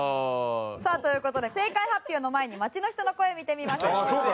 さあという事で正解発表の前に街の人の声見てみましょう。